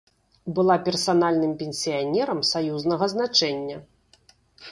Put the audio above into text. Была персанальным пенсіянерам саюзнага значэння.